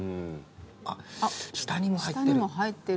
あっ下にも入ってる。